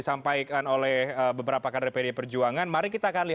jangan dipertentangkan pd perjuangan dengan pak jokowi